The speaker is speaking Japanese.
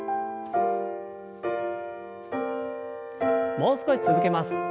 もう少し続けます。